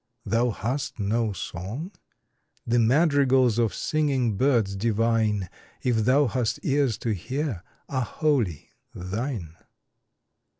Thou hast no song? The madrigals of singing birds divine If thou hast ears to hear are wholly thine.